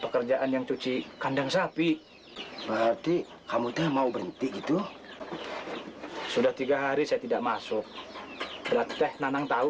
kandang sapi berarti kamu teh mau berhenti gitu sudah tiga hari saya tidak masuk berat teh nanang tahu